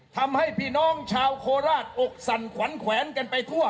พี่น้องชาวโคราชอกสั่นขวัญแขวนกันไปทั่ว